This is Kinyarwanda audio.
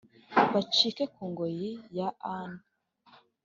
bacike kungoyi ya ani